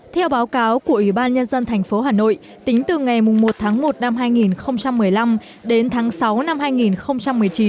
theo báo cáo của ủy ban nhân dân tp hà nội tính từ ngày một tháng một năm hai nghìn một mươi năm đến tháng sáu năm hai nghìn một mươi chín